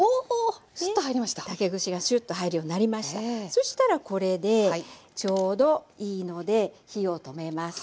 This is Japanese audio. そしたらこれでちょうどいいので火を止めます。